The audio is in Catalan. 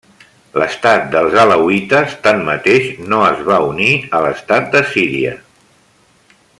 L'Estat dels Alauites, tanmateix, no es va unir a l'Estat de Síria.